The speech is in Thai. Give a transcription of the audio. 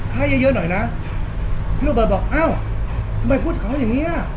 ให้เยอะเยอะหน่อยนะพี่โรเบิร์ตบอกอ้าวทำไมพูดกับเขาอย่างเงี้ย